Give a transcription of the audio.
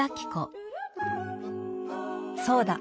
そうだ！